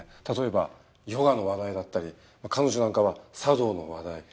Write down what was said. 例えばヨガの話題だったり彼女なんかは茶道の話題。